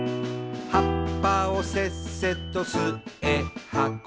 「葉っぱをせっせと巣へはこぶ」